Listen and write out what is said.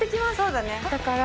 だから。